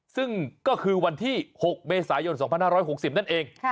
ซึ่งก็คือวันที่๖เมษายน๒๕๖๐นั่นเอง